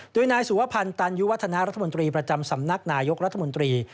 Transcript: โดยนายสุวพันธ์ตันยุวัฒนารัฐมนตรีประจำสำนักนายกรัฐมนตรี